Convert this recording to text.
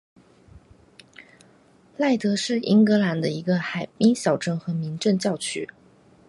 赖德是英格兰的一个海滨小镇和民政教区。